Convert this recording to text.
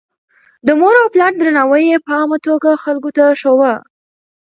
د مور او پلار درناوی يې په عامه توګه خلکو ته ښووه.